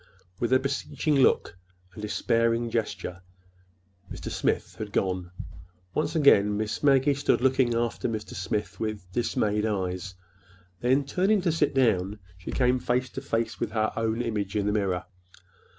With a beseeching look and a despairing gesture Mr. Smith had gone. Once again Miss Maggie stood looking after Mr. Smith with dismayed eyes. Then, turning to sit down, she came face to face with her own image in the mirror.